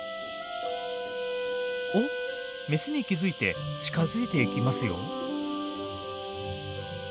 おっメスに気付いて近づいていきますよ。